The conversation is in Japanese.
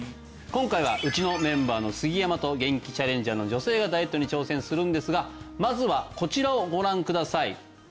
今回はうちのメンバーの杉山とゲンキチャレンジャーの女性がダイエットに挑戦するんですがまずはこちらをご覧ください